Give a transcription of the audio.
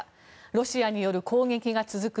ロシアによる攻撃が続く